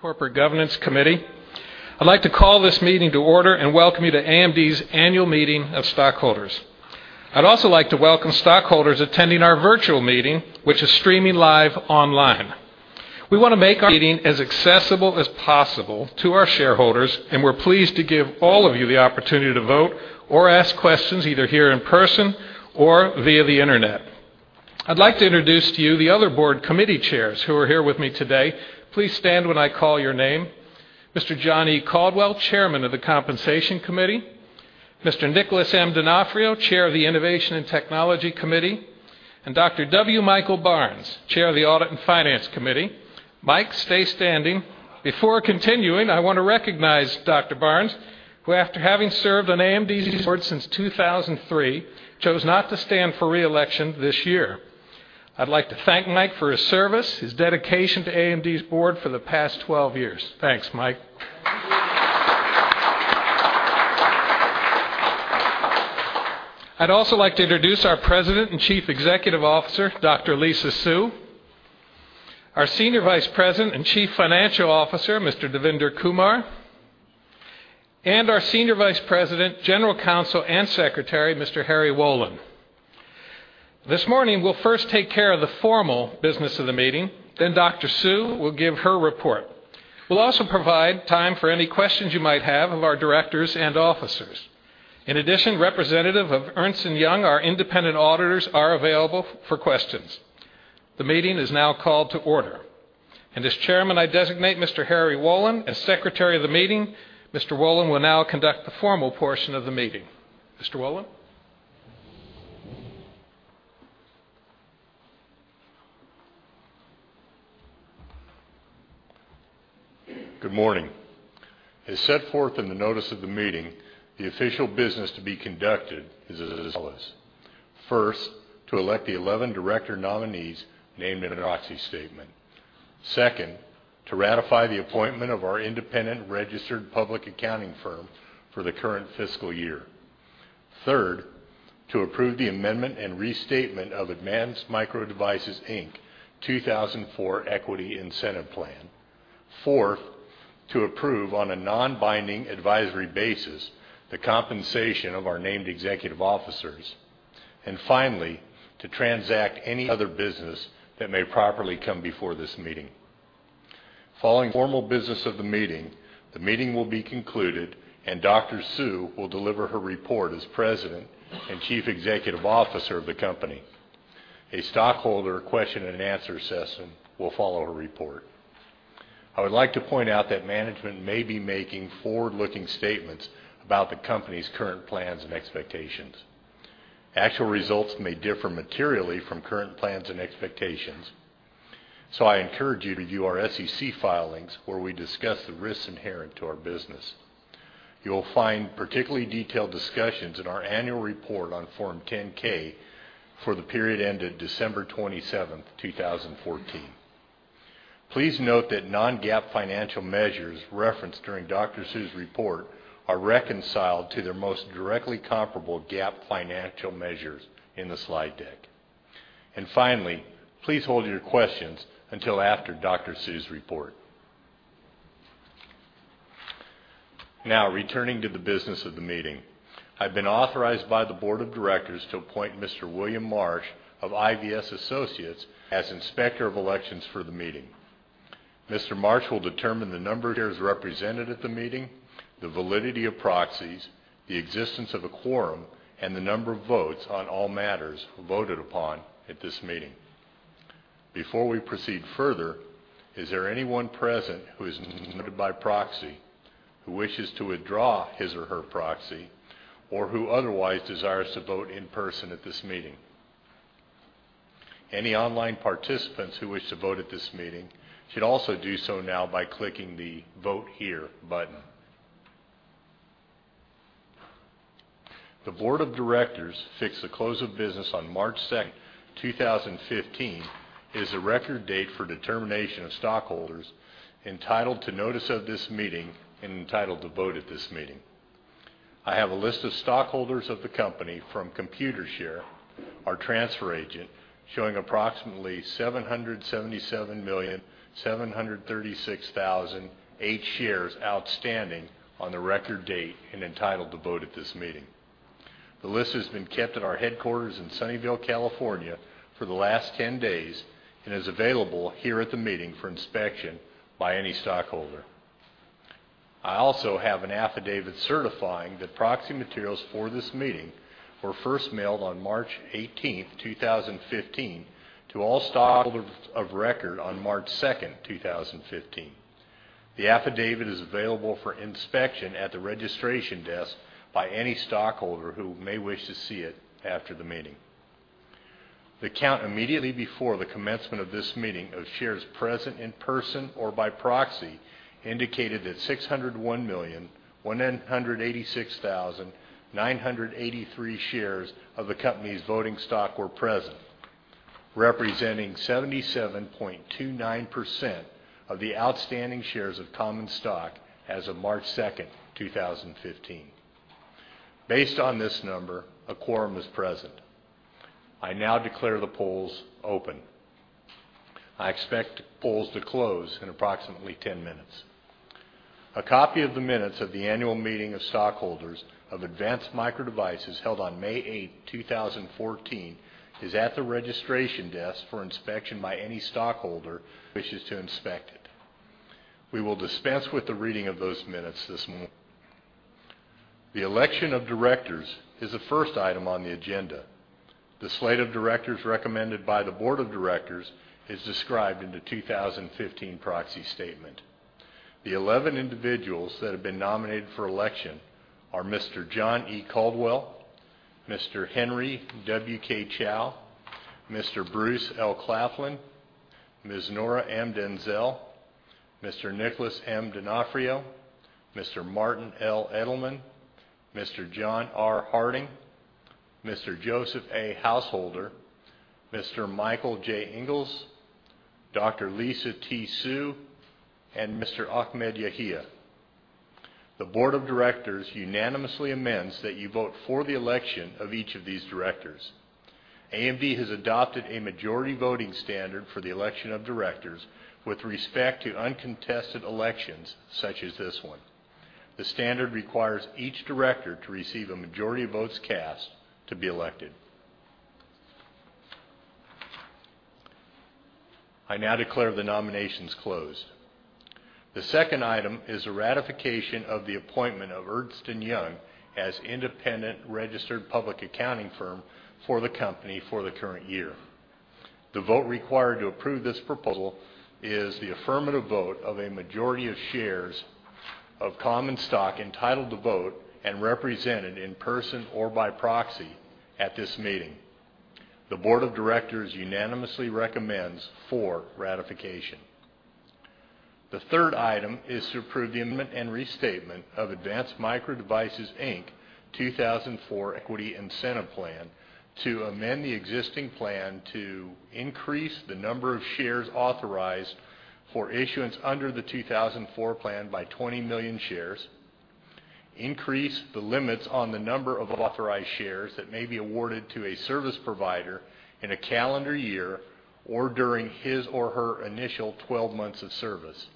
Corporate Governance Committee. I'd like to call this meeting to order and welcome you to AMD's annual meeting of stockholders. I'd also like to welcome stockholders attending our virtual meeting, which is streaming live online. We want to make our meeting as accessible as possible to our shareholders, and we're pleased to give all of you the opportunity to vote or ask questions, either here in person or via the internet. I'd like to introduce to you the other board committee chairs who are here with me today. Please stand when I call your name. Mr. John E. Caldwell, chairman of the Compensation Committee. Mr. Nicholas M. Donofrio, chair of the Innovation and Technology Committee, and Dr. W. Michael Barnes, chair of the Audit and Finance Committee. Mike, stay standing. Before continuing, I want to recognize Dr. Barnes, who after having served on AMD's board since 2003, chose not to stand for re-election this year. I'd like to thank Mike for his service, his dedication to AMD's board for the past 12 years. Thanks, Mike. I'd also like to introduce our president and chief executive officer, Dr. Lisa Su, our senior vice president and chief financial officer, Mr. Devinder Kumar, and our senior vice president, general counsel and secretary, Mr. Harry Wolin. This morning, we'll first take care of the formal business of the meeting, then Dr. Su will give her report. We'll also provide time for any questions you might have of our directors and officers. In addition, representative of Ernst & Young, our independent auditors, are available for questions. The meeting is now called to order, and as chairman, I designate Mr. Harry Wolin as secretary of the meeting. Mr. Wolin will now conduct the formal portion of the meeting. Mr. Wolin? Good morning. As set forth in the notice of the meeting, the official business to be conducted is as follows. First, to elect the 11 director nominees named in the proxy statement. Second, to ratify the appointment of our independent registered public accounting firm for the current fiscal year. Third, to approve the amendment and restatement of Advanced Micro Devices Inc. 2004 Equity Incentive Plan. Fourth, to approve on a non-binding advisory basis the compensation of our named executive officers. Finally, to transact any other business that may properly come before this meeting. Following formal business of the meeting, the meeting will be concluded and Dr. Su will deliver her report as president and chief executive officer of the company. A stockholder question and answer session will follow her report. I would like to point out that management may be making forward-looking statements about the company's current plans and expectations. Actual results may differ materially from current plans and expectations. I encourage you to view our SEC filings where we discuss the risks inherent to our business. You will find particularly detailed discussions in our annual report on Form 10-K for the period ended December 27th, 2014. Please note that non-GAAP financial measures referenced during Dr. Su's report are reconciled to their most directly comparable GAAP financial measures in the slide deck. Finally, please hold your questions until after Dr. Su's report. Now, returning to the business of the meeting. I've been authorized by the board of directors to appoint Mr. William Marsh of IVS Associates as inspector of elections for the meeting. Mr. Marsh will determine the number of shares represented at the meeting, the validity of proxies, the existence of a quorum, and the number of votes on all matters voted upon at this meeting. Before we proceed further, is there anyone present who is represented by proxy, who wishes to withdraw his or her proxy, or who otherwise desires to vote in person at this meeting? Any online participants who wish to vote at this meeting should also do so now by clicking the Vote Here button. The board of directors fixed the close of business on March 2nd, 2015, as the record date for determination of stockholders entitled to notice of this meeting and entitled to vote at this meeting. I have a list of stockholders of the company from Computershare, our transfer agent, showing approximately 777,736,008 shares outstanding on the record date and entitled to vote at this meeting. The list has been kept at our headquarters in Sunnyvale, California for the last 10 days and is available here at the meeting for inspection by any stockholder. I also have an affidavit certifying that proxy materials for this meeting were first mailed on March 18th, 2015, to all stockholders of record on March 2nd, 2015. The affidavit is available for inspection at the registration desk by any stockholder who may wish to see it after the meeting. The count immediately before the commencement of this meeting of shares present in person or by proxy indicated that 601,186,983 shares of the company's voting stock were present, representing 77.29% of the outstanding shares of common stock as of March 2nd, 2015. Based on this number, a quorum is present. I now declare the polls open. I expect polls to close in approximately 10 minutes. A copy of the minutes of the annual meeting of stockholders of Advanced Micro Devices held on May 8, 2014, is at the registration desk for inspection by any stockholder who wishes to inspect it. We will dispense with the reading of those minutes this morning. The election of directors is the first item on the agenda. The slate of directors recommended by the board of directors is described in the 2015 proxy statement. The 11 individuals that have been nominated for election are Mr. John E. Caldwell, Mr. Henry W.K. Chow, Mr. Bruce L. Claflin, Ms. Nora M. Denzel, Mr. Nicholas M. Donofrio, Mr. Martin L. Edelman, Mr. John R. Harding, Mr. Joseph A. Householder, Mr. Michael J. Inglis, Dr. Lisa T. Su, and Mr. Ahmed Yahia. The board of directors unanimously amends that you vote for the election of each of these directors. AMD has adopted a majority voting standard for the election of directors with respect to uncontested elections such as this one. The standard requires each director to receive a majority of votes cast to be elected. I now declare the nominations closed. The second item is a ratification of the appointment of Ernst & Young as independent registered public accounting firm for the company for the current year. The vote required to approve this proposal is the affirmative vote of a majority of shares of common stock entitled to vote and represented in person or by proxy at this meeting. The board of directors unanimously recommends for ratification. The third item is to approve the amendment and restatement of Advanced Micro Devices, Inc. 2004 Equity Incentive Plan to amend the existing plan to increase the number of shares authorized for issuance under the 2004 plan by 20 million shares, increase the limits on the number of authorized shares that may be awarded to a service provider in a calendar year or during his or her initial 12 months of service,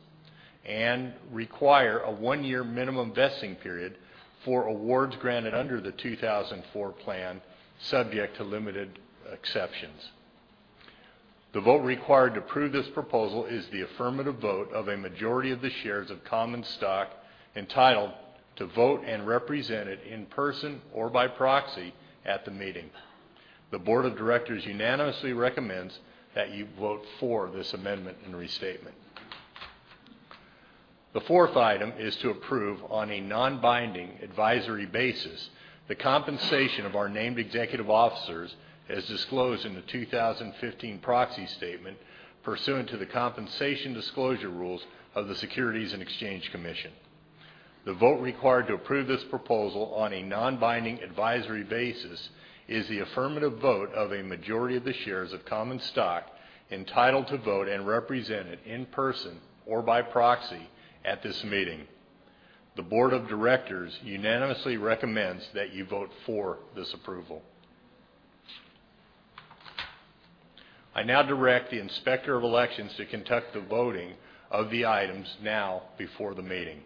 and require a one-year minimum vesting period for awards granted under the 2004 plan, subject to limited exceptions. The vote required to approve this proposal is the affirmative vote of a majority of the shares of common stock entitled to vote and represented in person or by proxy at the meeting. The board of directors unanimously recommends that you vote for this amendment and restatement. The fourth item is to approve on a non-binding advisory basis the compensation of our named executive officers as disclosed in the 2015 proxy statement pursuant to the compensation disclosure rules of the Securities and Exchange Commission. The vote required to approve this proposal on a non-binding advisory basis is the affirmative vote of a majority of the shares of common stock entitled to vote and represented in person or by proxy at this meeting. The board of directors unanimously recommends that you vote for this approval. I now direct the Inspector of Elections to conduct the voting of the items now before the meeting.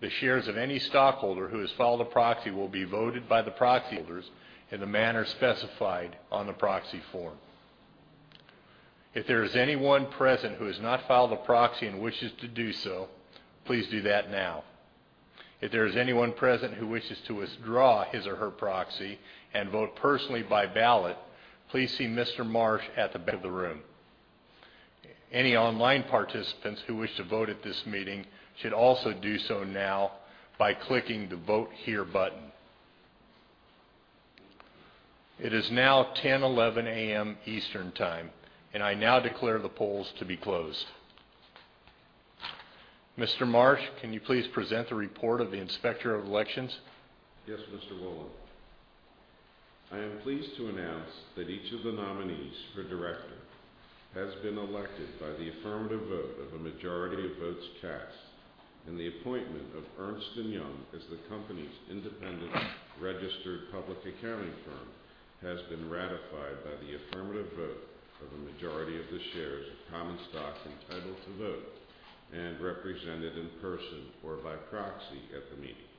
The shares of any stockholder who has filed a proxy will be voted by the proxy holders in the manner specified on the proxy form. If there is anyone present who has not filed a proxy and wishes to do so, please do that now. If there is anyone present who wishes to withdraw his or her proxy and vote personally by ballot, please see Mr. Marsh at the back of the room. Any online participants who wish to vote at this meeting should also do so now by clicking the Vote Here button. It is now 10:11 A.M. Eastern Time, and I now declare the polls to be closed. Mr. Marsh, can you please present the report of the Inspector of Elections? Yes, Mr. Wolin. I am pleased to announce that each of the nominees for director has been elected by the affirmative vote of a majority of votes cast, and the appointment of Ernst & Young as the company's independent registered public accounting firm has been ratified by the affirmative vote of a majority of the shares of common stock entitled to vote and represented in person or by proxy at the meeting.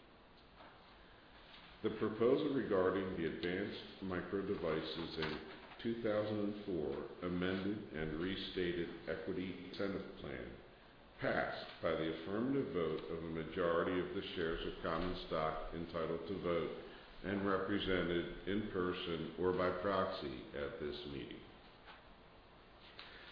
The proposal regarding the Advanced Micro Devices, Inc. 2004 amended and restated Equity Incentive Plan passed by the affirmative vote of a majority of the shares of common stock entitled to vote and represented in person or by proxy at this meeting.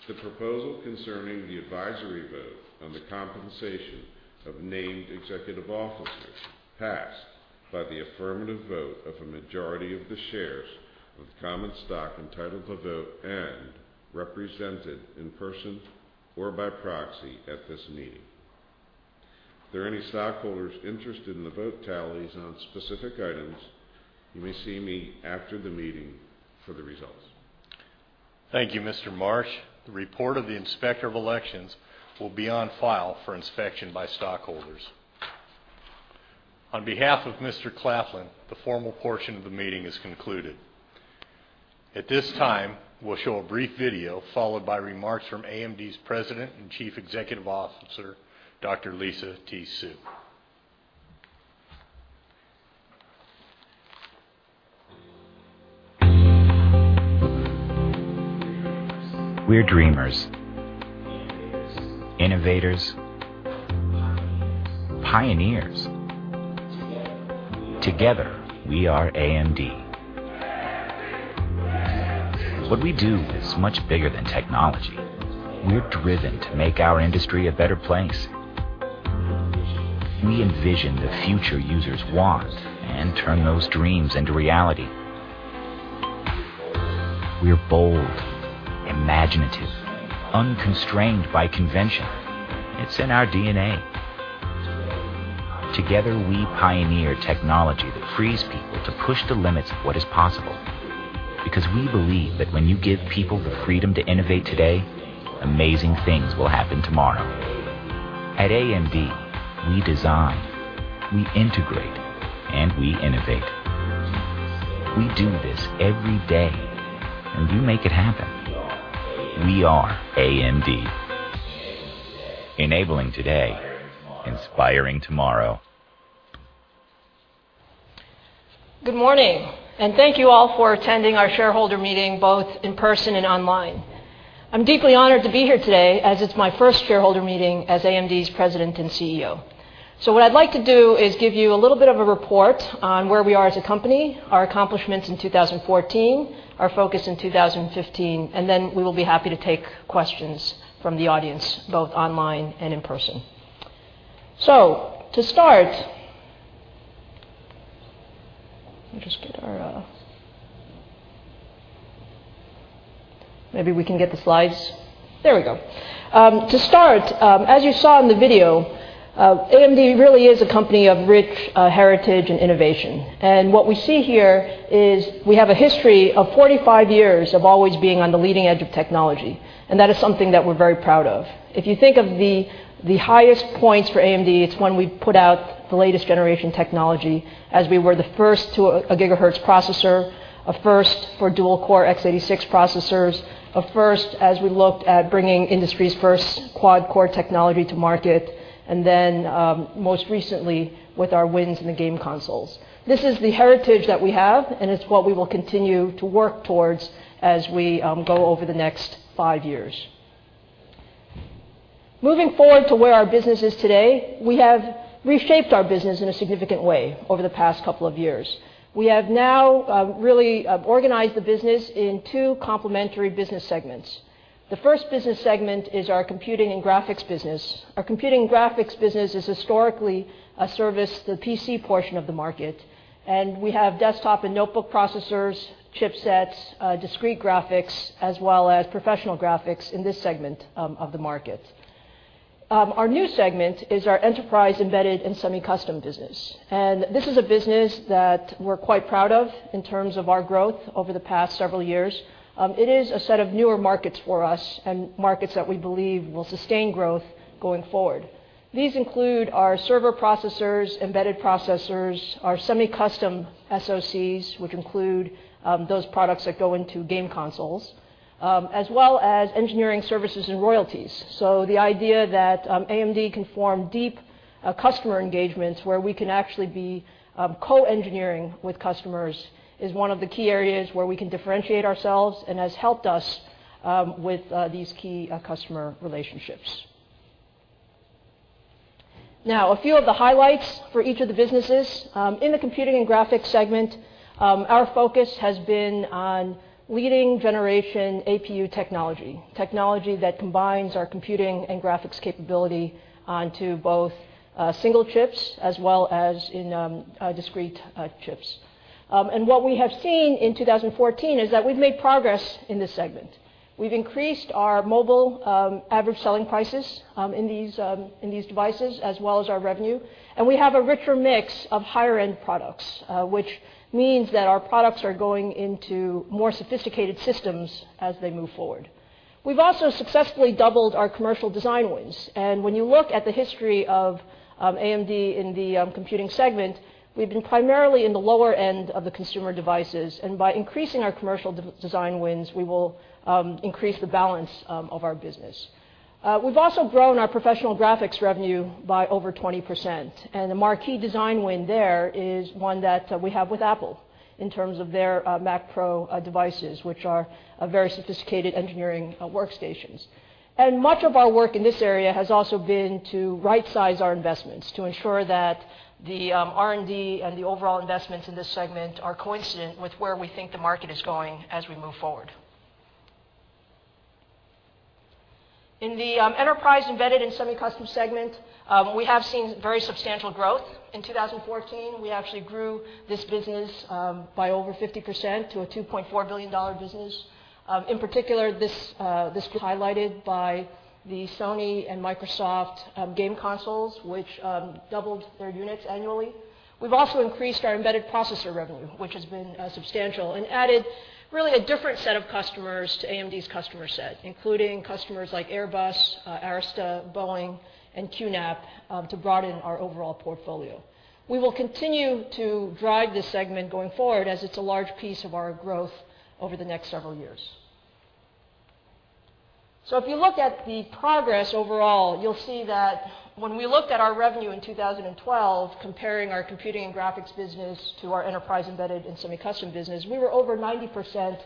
The proposal concerning the advisory vote on the compensation of named executive officers passed by the affirmative vote of a majority of the shares of common stock entitled to vote and represented in person or by proxy at this meeting. If there are any stockholders interested in the vote tallies on specific items, you may see me after the meeting for the results. Thank you, Mr. Marsh. The report of the Inspector of Elections will be on file for inspection by stockholders. On behalf of Mr. Claflin, the formal portion of the meeting is concluded. At this time, we'll show a brief video followed by remarks from AMD's President and Chief Executive Officer, Dr. Lisa T. Su. We're dreamers, innovators, pioneers. Together, we are AMD. AMD. AMD. What we do is much bigger than technology. We're driven to make our industry a better place. We envision the future users want and turn those dreams into reality. We're bold, imaginative, unconstrained by convention. It's in our DNA. Together, we pioneer technology that frees people to push the limits of what is possible, because we believe that when you give people the freedom to innovate today, amazing things will happen tomorrow. At AMD, we design, we integrate, and we innovate. We do this every day, and you make it happen. We are AMD. Enabling today, inspiring tomorrow. Good morning, and thank you all for attending our shareholder meeting, both in person and online. I'm deeply honored to be here today as it's my first shareholder meeting as AMD's President and CEO. What I'd like to do is give you a little bit of a report on where we are as a company, our accomplishments in 2014, our focus in 2015, and then we will be happy to take questions from the audience, both online and in person. To start, let me just get our. Maybe we can get the slides. There we go. To start, as you saw in the video, AMD really is a company of rich heritage and innovation. What we see here is we have a history of 45 years of always being on the leading edge of technology, and that is something that we're very proud of. If you think of the highest points for AMD, it's when we put out the latest generation technology, as we were the first to a gigahertz processor, a first for dual-core x86 processors, a first as we looked at bringing industry's first quad-core technology to market, and then most recently with our wins in the game consoles. This is the heritage that we have, and it's what we will continue to work towards as we go over the next five years. Moving forward to where our business is today, we have reshaped our business in a significant way over the past couple of years. We have now really organized the business in two complementary business segments. The first business segment is our Computing and Graphics business. Our Computing and Graphics business has historically serviced the PC portion of the market, and we have desktop and notebook processors, chipsets, discrete graphics, as well as professional graphics in this segment of the market. Our new segment is our Enterprise, Embedded, and Semi-Custom business. This is a business that we're quite proud of in terms of our growth over the past several years. It is a set of newer markets for us and markets that we believe will sustain growth going forward. These include our server processors, embedded processors, our semi-custom SOCs, which include those products that go into game consoles, as well as engineering services and royalties. The idea that AMD can form deep customer engagements where we can actually be co-engineering with customers is one of the key areas where we can differentiate ourselves and has helped us with these key customer relationships. Now, a few of the highlights for each of the businesses. In the Computing and Graphics segment, our focus has been on leading generation APU technology that combines our computing and graphics capability onto both single chips as well as in discrete chips. What we have seen in 2014 is that we've made progress in this segment. We've increased our mobile average selling prices in these devices as well as our revenue, and we have a richer mix of higher-end products, which means that our products are going into more sophisticated systems as they move forward. We've also successfully doubled our commercial design wins, and when you look at the history of AMD in the computing segment, we've been primarily in the lower end of the consumer devices, and by increasing our commercial design wins, we will increase the balance of our business. We've also grown our professional graphics revenue by over 20%, the marquee design win there is one that we have with Apple in terms of their Mac Pro devices, which are very sophisticated engineering workstations. Much of our work in this area has also been to rightsize our investments to ensure that the R&D and the overall investments in this segment are coincident with where we think the market is going as we move forward. In the enterprise, embedded, and semi-custom segment, we have seen very substantial growth. In 2014, we actually grew this business by over 50% to a $2.4 billion business. In particular, this was highlighted by the Sony and Microsoft game consoles, which doubled their units annually. We've also increased our embedded processor revenue, which has been substantial, and added really a different set of customers to AMD's customer set, including customers like Airbus, Arista, Boeing, and QNAP to broaden our overall portfolio. We will continue to drive this segment going forward as it's a large piece of our growth over the next several years. If you look at the progress overall, you'll see that when we looked at our revenue in 2012, comparing our computing and graphics business to our enterprise embedded and semi-custom business, we were over 90%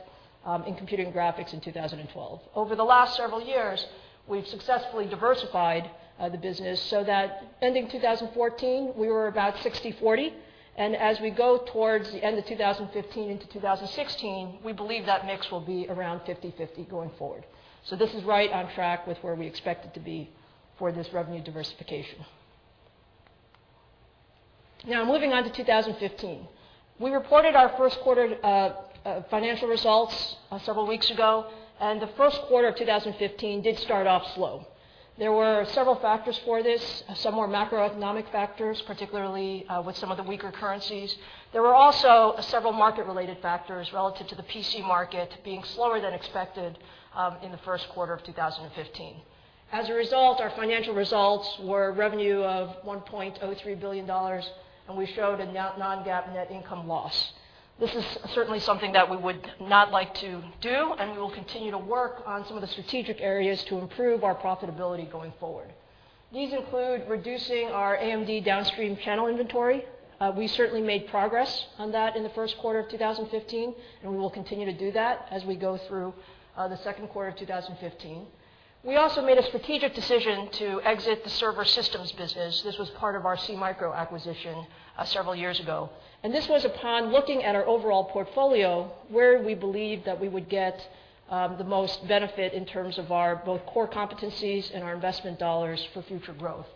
in computing and graphics in 2012. Over the last several years, we've successfully diversified the business so that ending 2014, we were about 60/40, as we go towards the end of 2015 into 2016, we believe that mix will be around 50/50 going forward. This is right on track with where we expect it to be for this revenue diversification. Moving on to 2015. We reported our first quarter financial results several weeks ago, the first quarter of 2015 did start off slow. There were several factors for this. Some were macroeconomic factors, particularly with some of the weaker currencies. There were also several market-related factors relative to the PC market being slower than expected in the first quarter of 2015. As a result, our financial results were revenue of $1.03 billion, and we showed a non-GAAP net income loss. This is certainly something that we would not like to do, we will continue to work on some of the strategic areas to improve our profitability going forward. These include reducing our AMD downstream channel inventory. We certainly made progress on that in the first quarter of 2015, we will continue to do that as we go through the second quarter of 2015. We also made a strategic decision to exit the server systems business. This was part of our SeaMicro acquisition several years ago. This was upon looking at our overall portfolio, where we believed that we would get the most benefit in terms of our both core competencies and our investment dollars for future growth.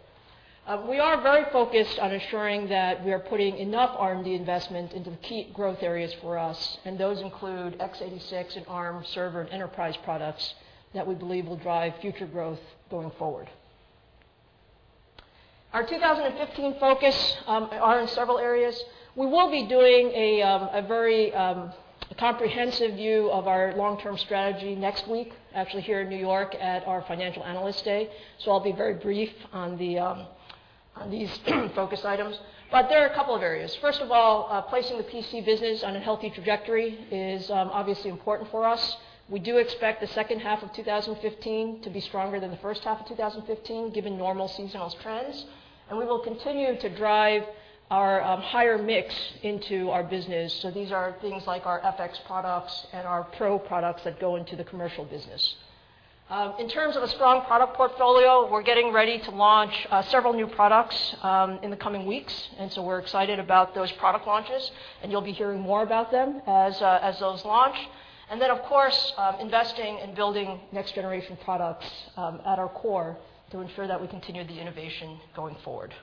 We are very focused on ensuring that we are putting enough R&D investment into the key growth areas for us, those include x86 and ARM server and enterprise products that we believe will drive future growth going forward. Our 2015 focus are in several areas. We will be doing a very comprehensive view of our long-term strategy next week, actually here in New York at our Financial Analyst Day. I'll be very brief on these focus items, but there are a couple of areas. First of all, placing the PC business on a healthy trajectory is obviously important for us. We do expect the second half of 2015 to be stronger than the first half of 2015, given normal seasonal trends. We will continue to drive our higher mix into our business. These are things like our FX products and our PRO products that go into the commercial business. In terms of a strong product portfolio, we're getting ready to launch several new products in the coming weeks. We're excited about those product launches, and you'll be hearing more about them as those launch. Of course, investing in building next-generation products at our core to ensure that we continue the innovation going forward.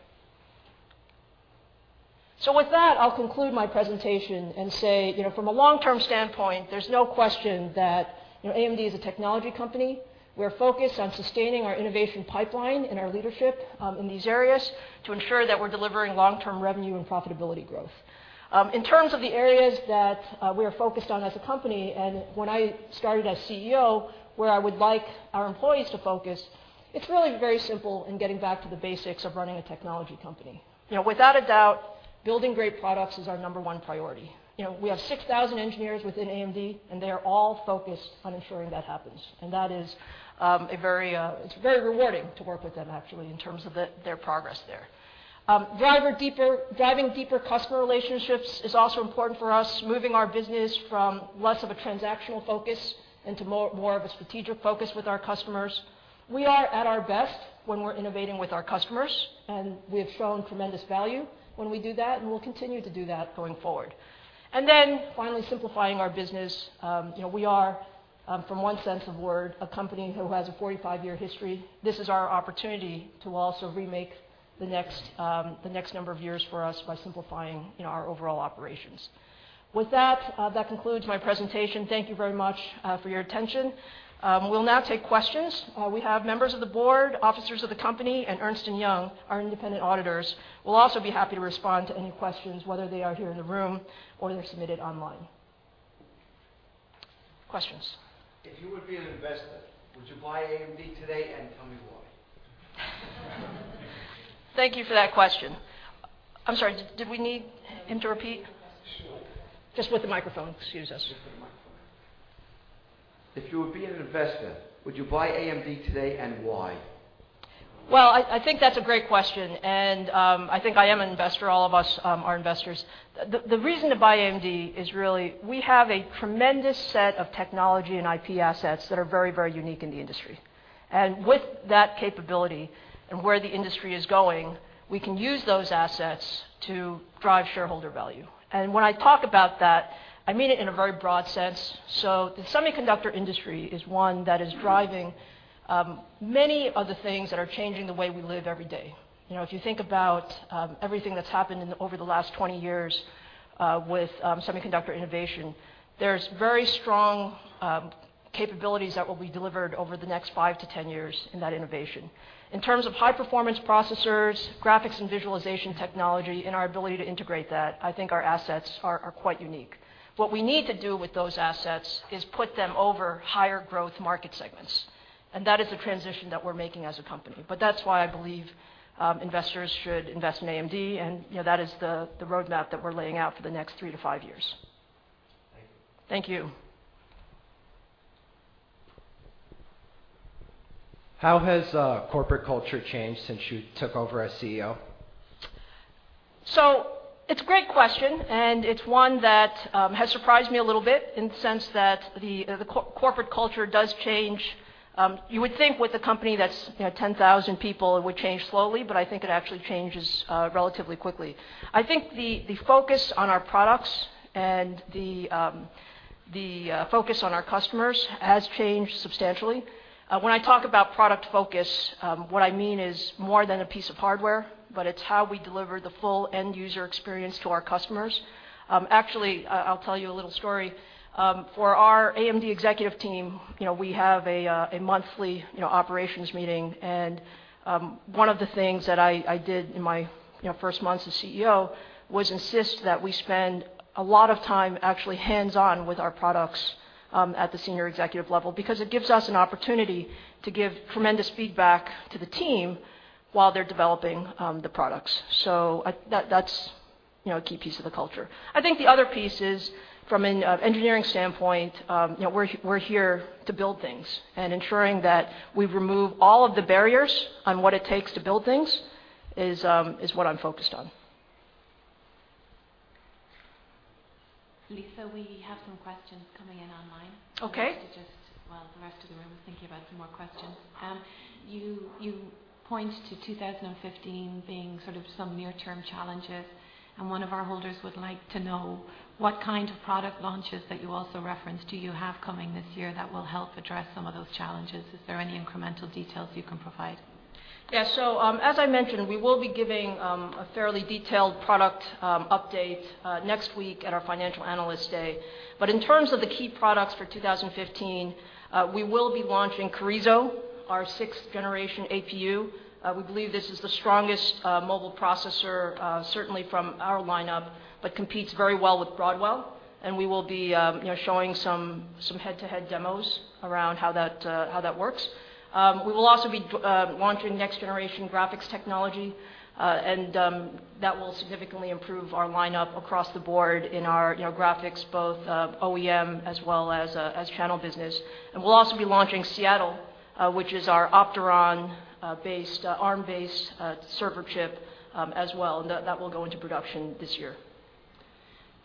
With that, I'll conclude my presentation and say, from a long-term standpoint, there's no question that AMD is a technology company. We're focused on sustaining our innovation pipeline and our leadership in these areas to ensure that we're delivering long-term revenue and profitability growth. In terms of the areas that we are focused on as a company and when I started as CEO, where I would like our employees to focus, it's really very simple in getting back to the basics of running a technology company. Without a doubt, building great products is our number one priority. We have 6,000 engineers within AMD, and they are all focused on ensuring that happens. It's very rewarding to work with them actually, in terms of their progress there. Diving deeper customer relationships is also important for us, moving our business from less of a transactional focus into more of a strategic focus with our customers. We are at our best when we're innovating with our customers. We have shown tremendous value when we do that, and we'll continue to do that going forward. Finally, simplifying our business. We are, from one sense of word, a company who has a 45-year history. This is our opportunity to also remake the next number of years for us by simplifying our overall operations. With that concludes my presentation. Thank you very much for your attention. We'll now take questions. We have members of the board, officers of the company, and Ernst & Young, our independent auditors. We'll also be happy to respond to any questions, whether they are here in the room or they're submitted online. Questions? If you would be an investor, would you buy AMD today? Tell me why? Thank you for that question. I'm sorry, did we need him to repeat? Sure. Just with the microphone. Excuse us. Just with the microphone. If you would be an investor, would you buy AMD today, why? Well, I think that's a great question, I think I am an investor. All of us are investors. The reason to buy AMD is really we have a tremendous set of technology and IP assets that are very, very unique in the industry. With that capability and where the industry is going, we can use those assets to drive shareholder value. When I talk about that, I mean it in a very broad sense. The semiconductor industry is one that is driving many of the things that are changing the way we live every day. If you think about everything that's happened over the last 20 years with semiconductor innovation, there's very strong capabilities that will be delivered over the next 5 to 10 years in that innovation. In terms of high-performance processors, graphics and visualization technology, our ability to integrate that, I think our assets are quite unique. What we need to do with those assets is put them over higher growth market segments. That is the transition that we're making as a company. That's why I believe investors should invest in AMD, that is the roadmap that we're laying out for the next three to five years. Thank you. Thank you. How has corporate culture changed since you took over as CEO? It's a great question, and it's one that has surprised me a little bit in the sense that the corporate culture does change. You would think with a company that's 10,000 people, it would change slowly, but I think it actually changes relatively quickly. I think the focus on our products and the focus on our customers has changed substantially. When I talk about product focus, what I mean is more than a piece of hardware, but it's how we deliver the full end-user experience to our customers. Actually, I'll tell you a little story. For our AMD executive team, we have a monthly operations meeting. One of the things that I did in my first month as CEO was insist that we spend a lot of time actually hands-on with our products at the senior executive level, because it gives us an opportunity to give tremendous feedback to the team while they're developing the products. That's a key piece of the culture. I think the other piece is from an engineering standpoint, we're here to build things and ensuring that we remove all of the barriers on what it takes to build things is what I'm focused on. Lisa, we have some questions coming in online. Okay. Just while the rest of the room is thinking about some more questions. You point to 2015 being sort of some near-term challenges, and one of our holders would like to know what kind of product launches that you also referenced do you have coming this year that will help address some of those challenges? Is there any incremental details you can provide? Yeah. As I mentioned, we will be giving a fairly detailed product update next week at our Financial Analyst Day. In terms of the key products for 2015, we will be launching Carrizo, our sixth-generation APU. We believe this is the strongest mobile processor, certainly from our lineup, but competes very well with Broadwell, and we will be showing some head-to-head demos around how that works. We will also be launching next-generation graphics technology, and that will significantly improve our lineup across the board in our graphics, both OEM as well as channel business. We'll also be launching Seattle, which is our Opteron-based, ARM-based server chip as well, and that will go into production this year.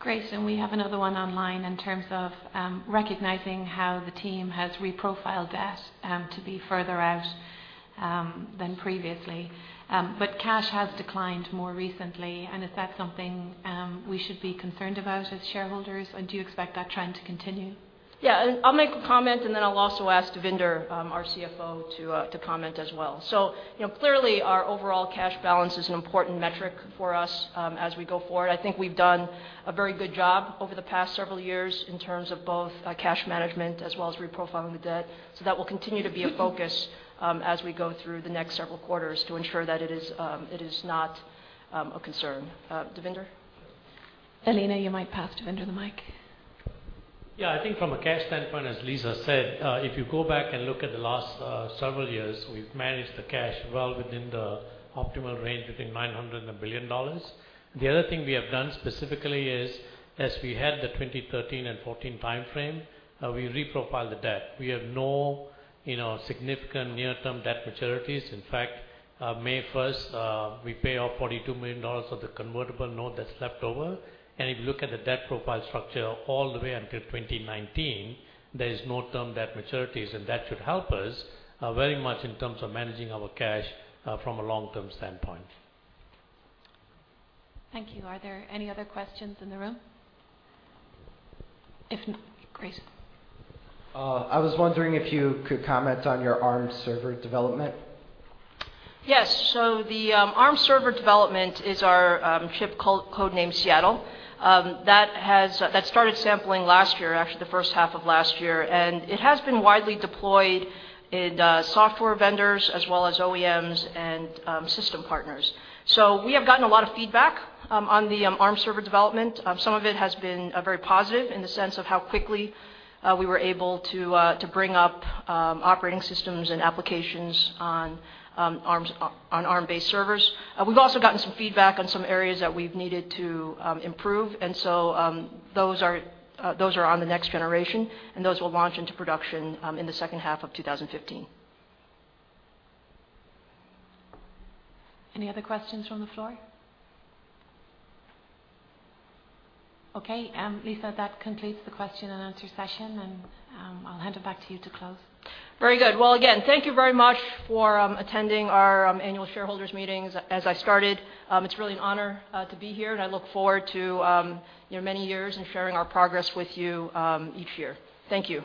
Great. We have another one online in terms of recognizing how the team has reprofiled debt to be further out than previously. Cash has declined more recently, and is that something we should be concerned about as shareholders? Do you expect that trend to continue? Yeah, I'll make a comment, and then I'll also ask Devinder, our CFO, to comment as well. Clearly, our overall cash balance is an important metric for us as we go forward. I think we've done a very good job over the past several years in terms of both cash management as well as reprofiling the debt. That will continue to be a focus as we go through the next several quarters to ensure that it is not a concern. Devinder? Elena, you might pass Devinder the mic. Yeah. I think from a cash standpoint, as Lisa said, if you go back and look at the last several years, we've managed the cash well within the optimal range between $900 million and $1 billion. The other thing we have done specifically is as we had the 2013 and 2014 timeframe, we reprofiled the debt. We have no significant near-term debt maturities. In fact, May 1st, we pay off $42 million of the convertible note that's left over. If you look at the debt profile structure all the way until 2019, there is no term debt maturities, and that should help us very much in terms of managing our cash from a long-term standpoint. Thank you. Are there any other questions in the room? If not, Grace. I was wondering if you could comment on your ARM server development. Yes. The ARM server development is our chip codename Seattle. That started sampling last year, actually the first half of last year, and it has been widely deployed in software vendors as well as OEMs and system partners. We have gotten a lot of feedback on the ARM server development. Some of it has been very positive in the sense of how quickly we were able to bring up operating systems and applications on ARM-based servers. We've also gotten some feedback on some areas that we've needed to improve, and so those are on the next generation, and those will launch into production in the second half of 2015. Any other questions from the floor? Okay, Lisa, that completes the question and answer session, and I'll hand it back to you to close. Very good. Well, again, thank you very much for attending our annual shareholders meetings. As I started, it's really an honor to be here, and I look forward to many years and sharing our progress with you each year. Thank you.